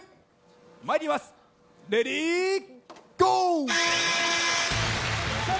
まいります、レディーゴー。